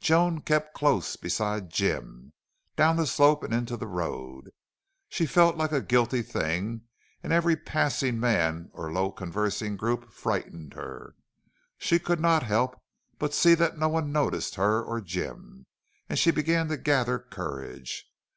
Joan kept close beside Jim, down the slope, and into the road. She felt like a guilty thing and every passing man or low conversing group frightened her. Still she could not help but see that no one noticed her or Jim, and she began to gather courage.